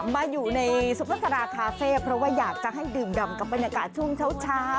มาอยู่ในซุปเปอร์สราคาเฟ่เพราะว่าอยากจะให้ดื่มดำกับบรรยากาศช่วงเช้า